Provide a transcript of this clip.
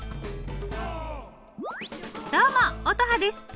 どうも乙葉です！